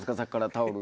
タオル。